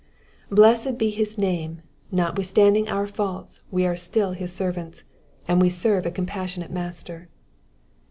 Blessed be his name, notwithstanding our faults we are still his servants, and we serve a compassionate Master.